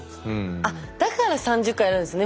あっだから３０回やるんですね。